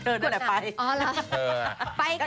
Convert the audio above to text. เธอดูหน่อยไปอ๋อเหรอ